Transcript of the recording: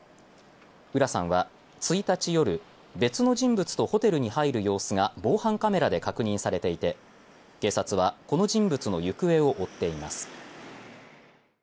浦さんは１日夜別の人物とホテルに入る様子が防犯カメラで確認されていて警察はこの人物の行方を追っています。